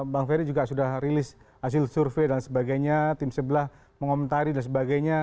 bang ferry juga sudah rilis hasil survei dan sebagainya tim sebelah mengomentari dan sebagainya